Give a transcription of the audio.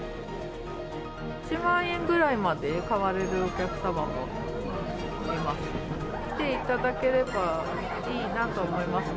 １万円ぐらいまで買われるお客様もいますね。